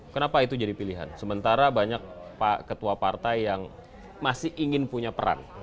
kenapa itu jadi pilihan sementara banyak pak ketua partai yang masih ingin punya peran